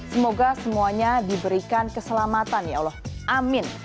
semoga semuanya diberikan keselamatan ya allah amin